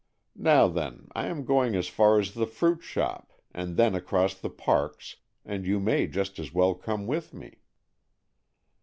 Now then, I am going as far as the fruit shop, and then across the parks, and you may just as well come with me."